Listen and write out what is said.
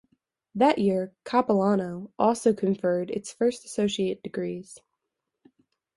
That year, Capilano also conferred its first associate degrees.